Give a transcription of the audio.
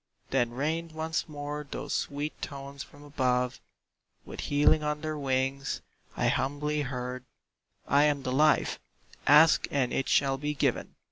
Then rained once more those sweet tones from above With healing on their wings: I humbly heard, "I am the Life, ask and it shall be given!